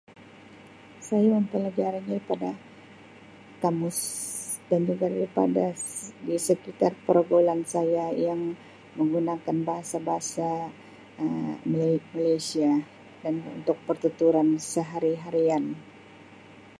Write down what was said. Saya mempelajarinya daripada kamus dan juga daripada di sekitar perbualan saya yang menggunakan bahasa-bahasa Um Ma-Malaysia dan juga untuk pertuturan sehari-harian.